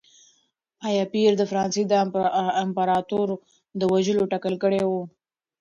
ایا پییر د فرانسې د امپراتور د وژلو تکل کړی و؟